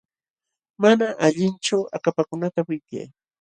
Mana allinchu akapakunata wipyay.